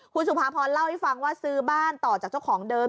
คุณสุภาพรเล่าให้ฟังว่าซื้อบ้านต่อจากเจ้าของเดิม